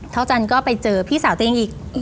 เท้าจันก็ไปเจอพี่สาวตรงอีก